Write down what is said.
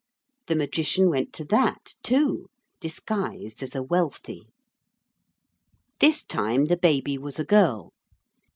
The Magician went to that, too, disguised as a wealthy. This time the baby was a girl.